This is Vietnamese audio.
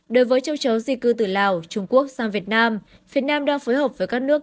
đối với châu chấu di cư từ lào trung quốc sang việt nam phía nam đang phối hợp với các nước